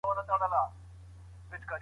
که وخت وي زده کړه اسانه ده.